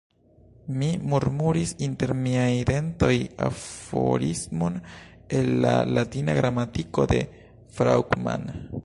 Mi murmuris inter miaj dentoj aforismon el la latina gramatiko de Fraugman.